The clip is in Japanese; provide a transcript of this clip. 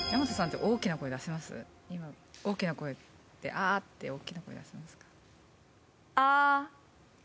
はい今大きな声であって大きな声出せますか？